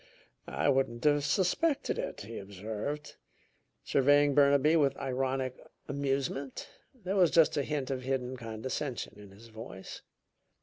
"I wouldn't have suspected it," he observed, surveying Burnaby with ironic amusement. There was just a hint of hidden condescension in his voice.